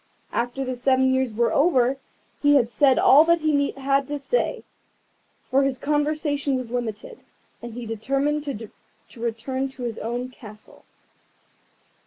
After the seven years were over he had said all that he had to say, for his conversation was limited, and he determined to return to his own castle.